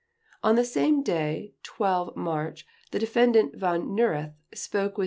On the same day, 12 March, the Defendant Von Neurath spoke with M.